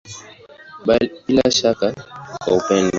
Bila ya shaka kwa upendo.